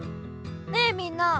ねえみんな。